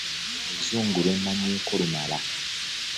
Oluzungu lwe mmanyiiko lummala.